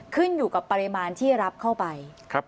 ขึ้นอยู่กับปริมาณที่รับเข้าไป